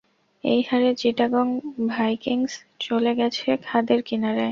এই হারে চিটাগং ভাইকিংস চলে গেছে খাদের কিনারায়।